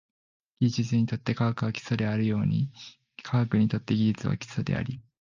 技術にとって科学が基礎であるように、科学にとって技術は基礎であり、